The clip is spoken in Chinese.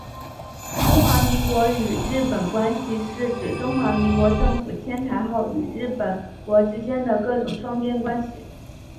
中华民国与日本关系是指中华民国政府迁台后与日本国之间的各种双边关系。